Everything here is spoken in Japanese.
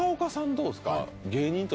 どうですか？